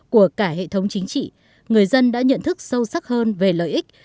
của cả hệ thống chính trị người dân đã nhận thức sâu sắc hơn về lợi ích